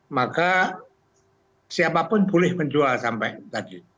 maka siapapun boleh menjual sampai tadi